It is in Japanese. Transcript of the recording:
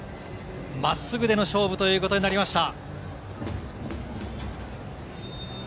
真っすぐでの勝負ということになりました。